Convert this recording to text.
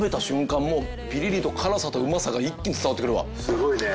すごいね。